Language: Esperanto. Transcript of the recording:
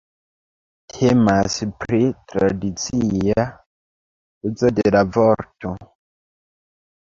Temas pri tradicia uzo de la vorto.